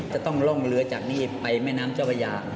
จะต้องล่องเรือจากนี่ไปแม่น้ำเจ้าพระยา